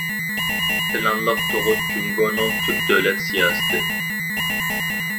پىلانلىق تۇغۇت جۇڭگونىڭ تۈپ دۆلەت سىياسىتى.